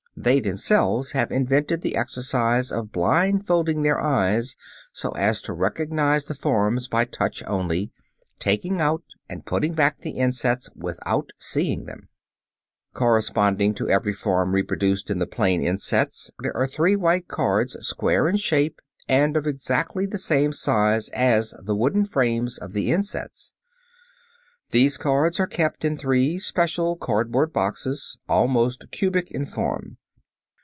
They themselves have invented the exercise of blindfolding their eyes so as to recognize the forms by touch only, taking out and putting back the insets without seeing them. [Illustration: FIG. 25. SERIES OF CARDS WITH GEOMETRICAL FORMS.] Corresponding to every form reproduced in the plane insets there are three white cards square in shape and of exactly the same size as the wooden frames of the insets. These cards are kept in three special cardboard boxes, almost cubic in form.